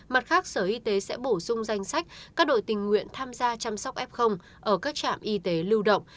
mặt khác sở y tế sẽ bổ sung danh sách các đội tình nguyện tham gia chăm sóc f ở các trạm y tế lưu động